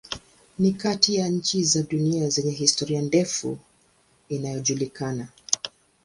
Ni kati ya nchi za dunia zenye historia ndefu inayojulikana.